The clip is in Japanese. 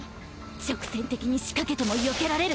直線的に仕掛けても避けられる。